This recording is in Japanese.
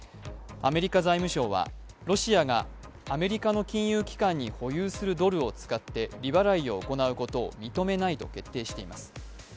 アメリカ財務省はロシアがアメリカの金融機関に保有するドルを使って利払いを行うことを認めないと決定しています。